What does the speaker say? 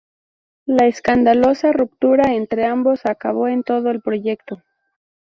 La escandalosa ruptura entre ambos acabó con todo el proyecto.